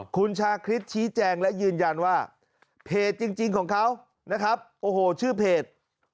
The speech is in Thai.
คุณชาคริสชี้แจงและยืนยันว่าเพจจริงของเขานะครับโอ้โหชื่อเพจ